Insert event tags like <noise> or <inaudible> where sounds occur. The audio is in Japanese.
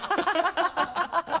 ハハハ <laughs>